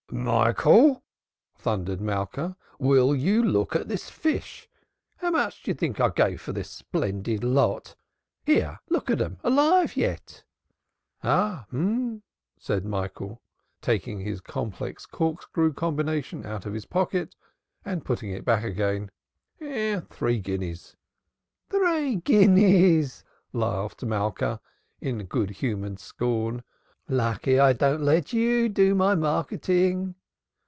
"Michael!" thundered Malka. "Will you look at this fish? How much do you think I gave for this splendid lot? here, look at 'em, alive yet." "H'm Ha!" said Michael, taking his complex corkscrew combination out of his pocket and putting it back again. "Three guineas?" "Three guineas!" laughed Malka, in good humored scorn. "Lucky I don't let you do my marketing."